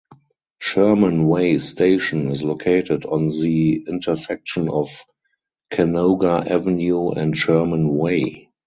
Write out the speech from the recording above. Sherman Way station is located on the intersection of Canoga Avenue and Sherman Way.